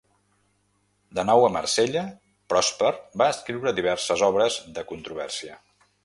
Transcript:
De nou a Marsella, Pròsper va escriure diverses obres de controvèrsia.